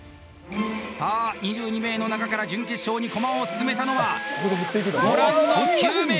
さあ、２２名の中から準決勝に駒を進めたのはご覧の９名！